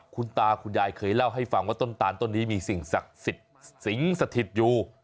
คุณตาคุณยายเคยเล่าให้ฟังว่าต้นตานต้นนี้มีสิงสถิตย์อยู่